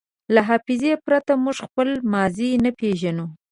له حافظې پرته موږ خپله ماضي نه پېژنو.